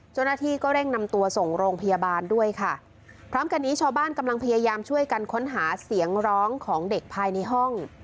เจ้าหน้าที่ก็เร่งนำตัวส่งโรงพยาบาลด้วยค่ะพร้อมกันนี้ชาวบ้านกำลังพยายามช่วยกันค้นหาเสียงร้องของเด็กภายในห้อง